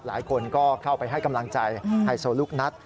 หลายคนก็เข้าไปให้กำลังใจไฮโซลูกนัท